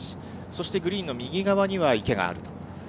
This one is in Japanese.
そして、グリーンの右側には池があると。